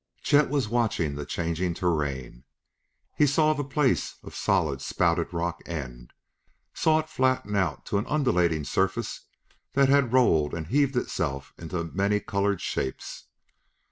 Chet was watching the changing terrain. He saw the place of solid spouted rock end; saw it flatten out to an undulating surface that had rolled and heaved itself into many colored shapes.